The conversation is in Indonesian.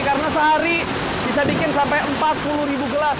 karena sehari bisa bikin sampai empat puluh ribu gelas